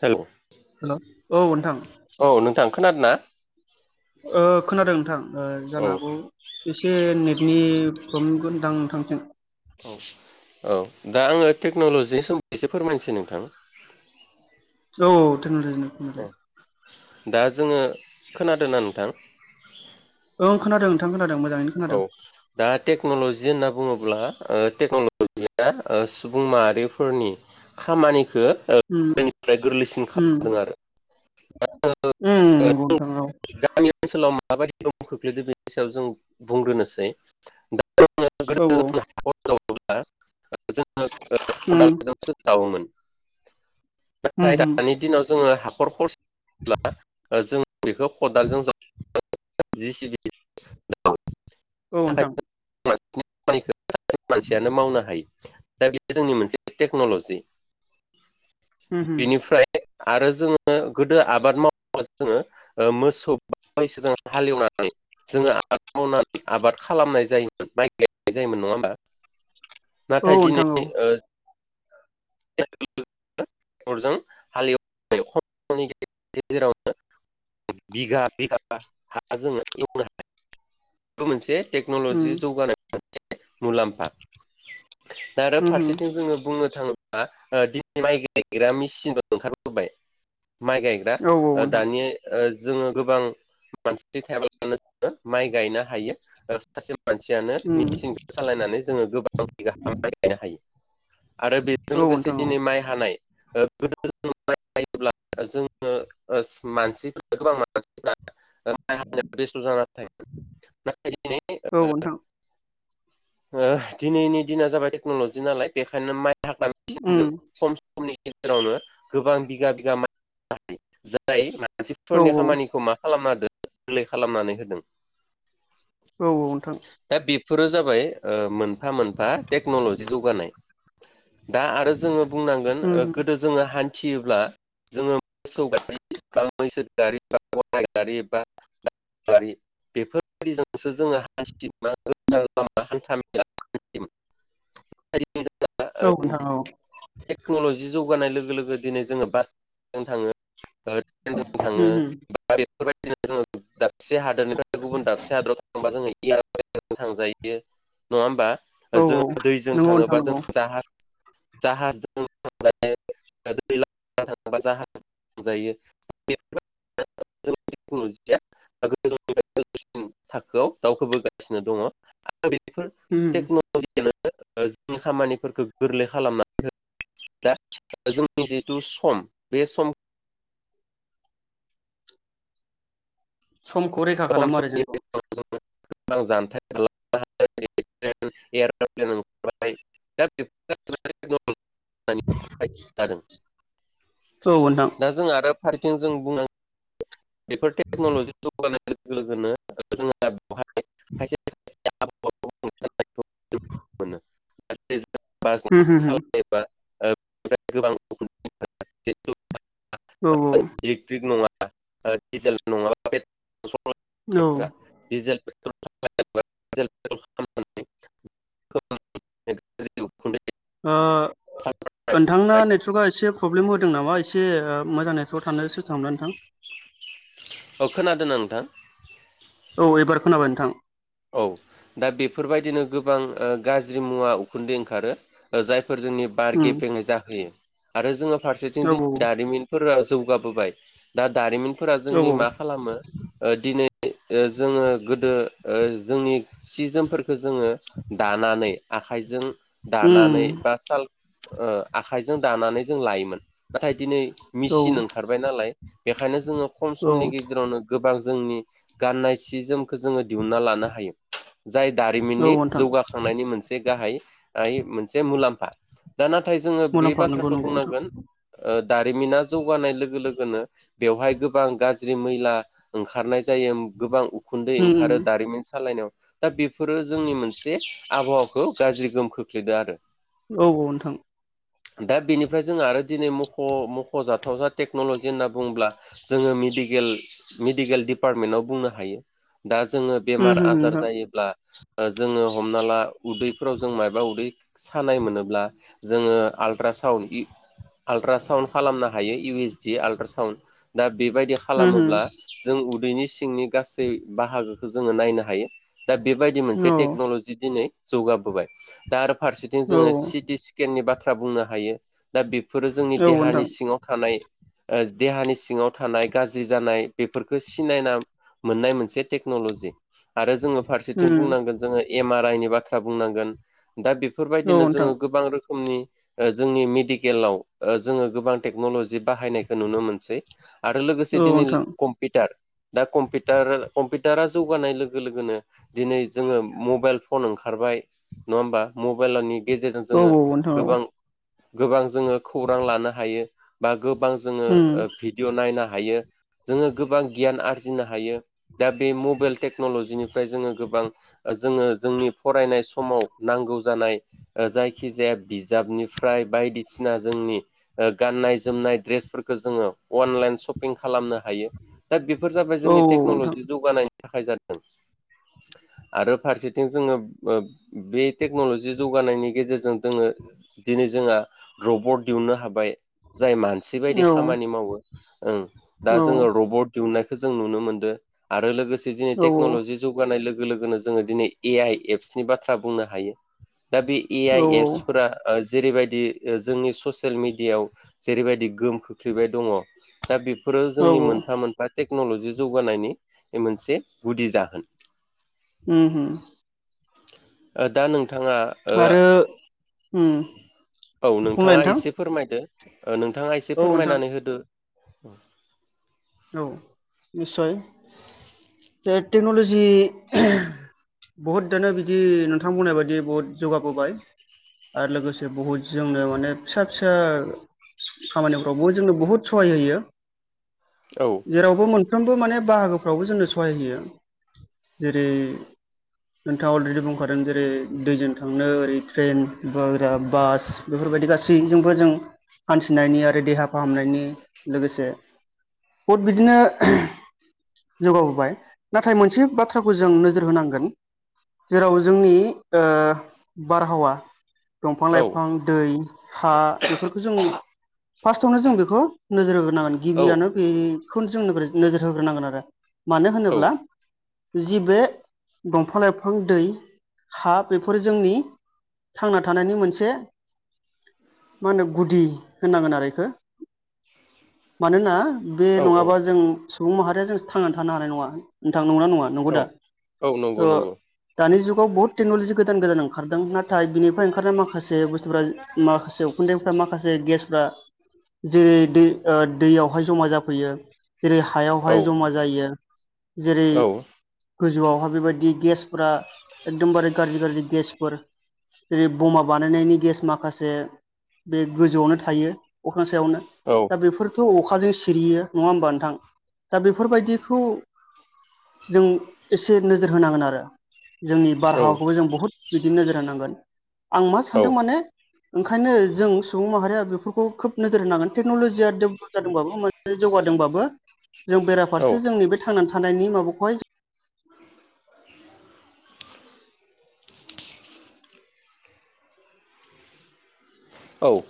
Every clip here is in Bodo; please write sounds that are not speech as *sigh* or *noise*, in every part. हेल' औ हेल' औ नोंथां नोंथां खोनादों ना? ओ खोनादों नोंथां औ जानो हागौ एसे नेटनि प्रमगोनदां नोंथांजों औ औ दा आङो टेक्न'लजिनि सोमोन्दै एसे फोरमायनोसै नोंथां। *inaudible* औ थ' दा जोङो खोनादों ना नोंथां। ओं खोनादों नोंथां खोनादों। मोजाङैनो औ खोनादों दा टेक्न'लजि होनना बुङोब्ला टेकनलजि सुबुं माहारिफोरनि खामानि उम निफ्राय गोरलैसिन खालामदों आरो। उ नोंगौ नोंथां नोंगौ। गामि ओनसोलाव माबायदि गो खोख्लैददों बेनि सायाव जों बुंग्रोनोसै दा औ औ *unintelligible* जोङो उम खदालजोंसो जावोमोन- उम नाथाय उम दानि दिनाव जोङो हाखर खरब्ला जोङो बेखौ खदालजों जि सिबि औ नोंथां। *unintelligible* खामानिखौ मानसियानो मावनो हायो दा बेयो जोंनि मोनसे टेक्न'लजि उम उम बेनिफ्राय आरो जोङो गोदो आबाद मावब्ला जोङो मोसौ हालेवनानै जोङो आबाद मावनानै आबाद खालामनाय जायोमोन माइ गायनाय जायोमोन नङा होमबा।? औ नाथाय नोंथां औ दिनै *inaudible* थरजों *unintelligible* बिगा बिगा हा जोङो एवनो हायो बे मोनसे उम टेक्न'लजि जौगानाय मोनसे मुलाम्फा दा आरो उम उम फारसेथिं जोङो बुंनो थाङो *unintelligible* दिनै माइ गायग्रा मेसिनखौ ओंखारबोबाय। माइ गायग्रा औ नोंथां दानि ओ जोङो गोबां मानसि थायाब्लानो जोङो माइ गायनो हायो सासे मानसियानो उम मेचिनखौ सालायनानै जोङो गोबां बिगा *unintelligible* हा माइ गायनो हायो। जों औ लोगोसे नोंथां औ दिनै माइ हानाय ओ गोदो जों *unintelligible* *unintelligible* *unintelligible* बेसथ जानानै थायो। नाथाय दिनै ओ औ नोंथां दिनैनि दिना जाबाय टेक्न'लजि नालाय बेखायनो माइ *unintelligible* उम मेसिनजों खम सम गेजेरावनो गोबां बिगा -बिगा माय गायो। औ मानसिफोरनि औ औ खामानिखौ मा खालामना गोरलै खालामनानै होदों। औ औ नोंथां। दा बेफोरो जाबाय मोनफा- मोनफा टेक्न'लजि जौगानाय दा आरो जोङो बुंनांगोन उम ओ गोदो जोङो हान्थियोब्ला जोङो मोसौ गारि बा मैसो गारि बा गाराइ गारि बा *unintelligible* गारि बेफोरबायदिजोंसो जोङो हान्थिनो मोजां लामा हान्था- मेला *unintelligible* *unintelligible* टेक्नलजि औ नोंथां औ *unintelligible* *unintelligible* लोगो जो दिनै बास जों थाङो उम उम *unintelligible* *unintelligible* दाबसे हादोरनिफ्राय गुबुन दाबसे हादराव थांबा जोङो *unintelligible* थांजायो नङा होमबा? औ जोङो दैजों नंगौ नोंथां थाङोबा जों नंगौ *unintelligible* जाहासजों थांजायो। *unintelligible* *unintelligible* थाखोआव दावखोबोगासिनो दङ *unintelligible* दा बेफोर उम टेक्न'लजियानो जोंनि खामानिफोरखौ गोरलै खालामनानै *unintelligible* दा जोंनि जिहेथु सम बे सम समखौ रैखा खालामो आरो जों *unintelligible* *unintelligible* *unintelligible* औ नोंथां दा जों आरो फारसेथिं जों बुंनांगोन बेफोर टेक्न'लजि जौगानाय लोगो -लोगोनो जोङो दा बेवहाय खायसे खायसे होम आबाहावाखौ *unintelligible* होम *unintelligible* *unintelligible* औ। सरग्रा *unintelligible* *unintelligible* ओ *unintelligible* नोंथांना नेटवर्कआ एसे प्रब्लेम होदों नामा एसे ओ मोजां नेटवर्कआव थानो सेस्था खालामदों नोंथां। औ खोनादों नोंथां? औ एबार खोनाबाय नोंथां। औ दा बेफोर बायदिनो ओ गोबां गाज्रि मुवा उखुन्दै ओंखारो जाय *unintelligible* जोंनि बार उम गेबेङै जाहोयो आरो जोङो फारसेथिं औ दिनै दारिमिनफोरा जौगाबोबाय दा दारिमिनफोरा औ जोंनि मा खालामो ओ दिनै ओ जोङो गोदो ओ जोंनि सि जोमफोरखो जोङो दानानै आखाइजों उम दानानै बा साल ओ आखाइजों दानानै जों लायोमोन नाथाय दिनै औ मिसिन ओंखारबाय नालाय बेखायनो जोङो खम औ समनि गेजेरावनो गोबां जोंनि गाननाय सि जोमखौ जोङो दिहुनना लानो हायो। जाय औ दारिमिननि नोंथां जौगाखांनायनि मोनसे गाहाय हाय मोनसे मुलाम्फा दा नाथाय नाथाय जोङो बे मुलाम्फा नंगौ बाथ्राखो नंगौ नोंथां बुंनांगोन ओ दारिमिना जौगानाय लोगो लोगोनो बेवहाय गोबां गाज्रि मैला ओंखारनाय जायो गोबां उखुन्दै उम ओंखारो दारिमिन सालायनायाव दा बेफोरो जोंनि मोनसे आबहावाखौ गाज्रि गोहोम खोख्लैदों आरो। औ औ नोंथां। दा बेनिफ्राय जों आरो दिनै मख' मख'जाथाव जा टेक्न'लजि होनना बुंङोब्ला जोङो मेडिकेल मेडिकेल डपार्टमेन्टाव बुंनो हायो। दा जोङो उम बेमार होम आजार नोंथां जायोब्ला ओ जोङो हमना ला उदैफोराव जों मायबा उदै सानाय मोनोब्ला जोङो आल्ट्रा आल्ट्रासाउण्ड इ आल्ट्रासाउण्ड खालामनो हायो इउ एस दि आलट्रासाउण्ड दा बेबायदि उम होम खालामोब्ला जों उदैनि सिंनि गासै बाहागोखो जोङो नायनो हायो। दा बेबायदि मोनसे टेक्न'लजि दिनै जौगाबोबाय दा आरो फारसेथिं औ जोङो सिटि स्केननि बाथ्रा बुंनो हायो। दा बेफोरो जोंनि औ देहानि नोंथां सिङाव थानाय ओ देहानि सिङाव थानाय गाज्रि जानाय बेफोरखौ सिनायना मोननाय मोनसे टेकनल'जि आरो जोङो फारसेथिं उम बुंनांगोन जोङो एम आर आइ नि बाथ्रा बुंनांगोन दा औ बेफोरबायदिनो नोंथां जोङो गोबां रो खोम नि ओ जोंनि मेडिकेलाव ओ जोङो गोबां टेक्न'लजि बाहायनायखौ नुनो मोनसै आरो लोगोसे औ दिनै नोंथां कम्पिउटार दा कम्पिउटार कम्पिटारा जौगानाय लोगो लोगोनो दिनै जोङो मबाइल फन ओंखारबाय नङा होमबा मबाइलानि गेजेरजों औ जोङो नोंथां औ गोबां गोबां जोङो खौरां लानो हायो बा गोबां जोङो उम ओ भिडिअ नायनो हायो जोङो गोबां गियान आरजिनो हायो। दा बे मबाइल टेक्न'लजिनिफ्राय जोङो गोबां जोङो जोंनि फरायनाय समाव नांगौ जानाय ओ जायखिजाया बिजाबनिफ्राय बायदिसिना जोंनि गाननाय जोमनाय द्रेसफोरखो जोङो अनलाइ सपिं खालामनो हायो दा बेफोर जाबाय औ जोंनि औ टेक्नल'जि नोंथां जौगानायनि थाखाय जादों। आरो फारसेथिं जोङो ओ बे टेक्न'लजि जौगानायनि गेजेरजों जोङो दिनै जोंहा रबट दिहुननो हाबाय जाय मानसि बायदि औ खामानि मावो ओ औ दा जोङो रबट दिहुननायखौ जों नुनो मोनदों। आरो लोगोसे दिनै टेक्न'लजि जौगानाय लोगो लोगो लोगोनो जोङो दिनै ए आइ एप्सनि बाथ्रा बुंनो हायो। दा बे ए औ आइ एप्सफोरा ओ जेरैबायदि जोंनि ससियेल मेडियायाव जेरैबायदि गोहोम खोख्लैबाय दङ दा बेफोरो औ जोंनि मोनफा मोनफा टेक्नल'जि जौगानायनि बे मोनसे गुदि जाहोन। उम हो। ओ दा नोंथाङा ओ आरो उम औ बुंलाय नोंथाङा नोंथां एसे फोरमायदो ओ नोंथाङा एसे औ नोंथां फोरमायनानै होदो। उम औ निसय बे टेक्न'लजि बहुद दानो बिदि नोंथां बुंनाय बायदि बुहुद जौगाबोबाय। आरो लोगोसे बहुद जोंनो माने फिसा फिसा खामानिफ्रावबो जोंनो बुहुद सहाय होयो औ जेरावबो मोन फ्रोमबो माने बाहागोफ्रावबो जोंनो सहाय होयो जेरै नोंथाङा अलरेडि बुंखादों जेरै दैजों थांनो ओरै ट्रेन बोग्रा बास बेफोर बायदि गासैजोंबो जों हान्थिनायनि आरो देहा फाहामनायनि लोगोसे। बहुद बिदिनो। जौगाबोबाय नाथाय मोनसे बाथ्राखौ जों नोजोर होनांगोन। जेराव जोंनि ओ-बारहावा। दंफां औ लाइफां दै हा बेफोरखौ जों फार्स्टआवनो जों बेखौ नोजोर होगो नांगोन औ गिबियावनो बे खौनो जोंनो नोगोरै नोजोर होग्रोनांगोन आरो मानो होनोब्ला। जि बे दंफां लाइफां दै हा बेफोरो जोंनि। थांना थानायनि मोनसे। मा होनो गुदि होननांगोन आरो एखो मानोना। बे औ औ नङाबा जों सुबुं माहारिया जों थांनानै थानो हानाय नङा। थां नंगना नङा नंगौ औ दा औ नंगौ नंगौ ओ-दानि जुगाव बहुत टेक्नलजि गोदान गोदान ओंखारदों नाथाय बिनिफ्राय ओंखारनाय माखासे बुस्थुफ्रा माखासे उखुन्दैफ्रा माखासे गेसफ्रा। जेरै दै ओ-दैयावहाय जमा जाफैयो जेरै औ हायावहाय जमा जायो। जेरै औ गोजौआवहा बेबायदि गेसफोरा एकदमबारे गाज्रि गाज्रि गेसफोर। जेरै बमा बानायनायनि गेस माखासे बे गोजौआवनो थायो। ख्रां सायावनो औ दा बेफोरथ अखा अखाजों सिरियो नङा होमबा नोंथां दा बेफोरबायदिखौ। जों एसे नोजोर होनांगोन आरो। जोंनि बारहावाखौबो जों बहुद बिदिनो नोजोर होनांगोन आं मा औ सानदों माने। ओंखायनो जों सुबुं माहारिया बेफोरखौ खोब नोजोर होनांगोन टेक्नलजिया दोब जादोंबाबो मोजां जौगादोंबाबो जों औ बेराफारसे जोंनि बे थांना थानायनि माबाखौहाय। औ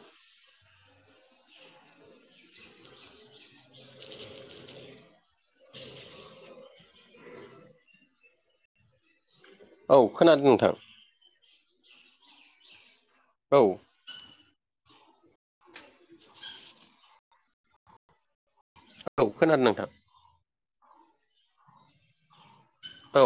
औ खोनादों नोंथां। औ औ खोनादों नोंथां। औ